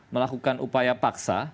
memperolehkan upaya paksa